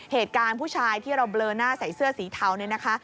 เหตุการณ์ผู้ชายที่เราเบลอหน้าใส่เสื้อสีเทาเนี่ยนะคะ